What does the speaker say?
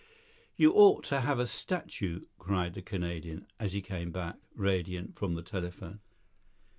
"You ought to have a statue," cried the Canadian, as he came back, radiant, from the telephone.